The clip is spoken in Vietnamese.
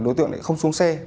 đối tượng không xuống xe